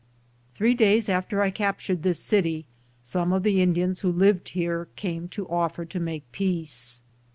Three days after I captured this city, some of the Indians who lived here came to offer to make peace.